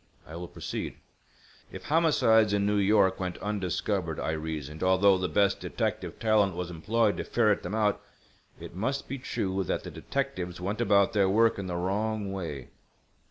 I will proceed. "If homicides in New York went undiscovered, I reasoned, although the best detective talent was employed to ferret them out, it must be true that the detectives went about their work in the wrong way.